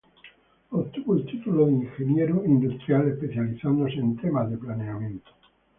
Obtuvo el título de ingeniero industrial, especializándose en temas de planeamiento.